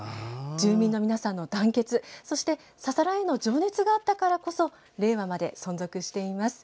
住民の皆さんの団結ささらへの情熱があったからこそ令和まで存続しています。